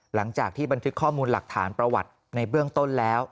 หลังจากที่บันทึกข้อมูลหลักฐานประวัติในเบื้องต้นแล้ว